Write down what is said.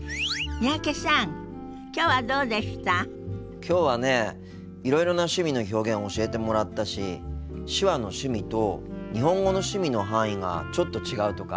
きょうはねいろいろな趣味の表現を教えてもらったし手話の趣味と日本語の趣味の範囲がちょっと違うとか面白かったな。